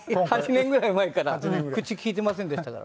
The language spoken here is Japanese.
８年ぐらい前から口利いてませんでしたからね。